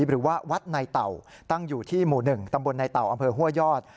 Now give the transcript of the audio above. หรือว่าวัดในเต่าตั้งอยู่ที่หมู่๑ตำบลในเต่าอำเภอห้วยยอด